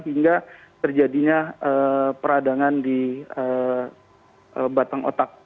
hingga terjadinya peradangan di batang otak